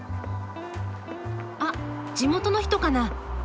あっ地元の人かな。